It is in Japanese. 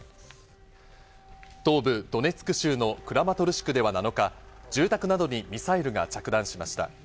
東部ドネツク州のクラマトルシクでは７日、住宅などにミサイルが着弾しました。